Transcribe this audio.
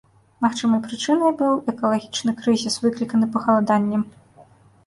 Магчымай прычынай быў экалагічны крызіс, выкліканы пахаладаннем.